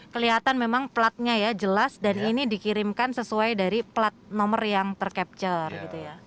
kelihatan memang platnya ya jelas dan ini dikirimkan sesuai dari plat nomor yang tercapture gitu ya